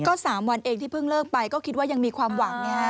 ก็๓วันเองที่เพิ่งเลิกไปก็คิดว่ายังมีความหวังไงฮะ